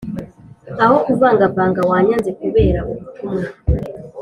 aho kuvangavanga wanyanze, kubera ubutumwa